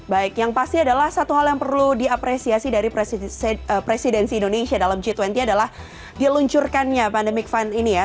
baik yang pasti adalah satu hal yang perlu diapresiasi dari presidensi indonesia dalam g dua puluh adalah diluncurkannya pandemic fund ini ya